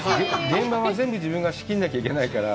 現場は全部、自分が仕切らなきゃいけないから。